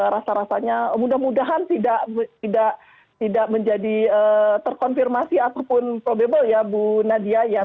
rasa rasanya mudah mudahan tidak tidak tidak menjadi terkonfirmasi ataupun probable ya bu nadia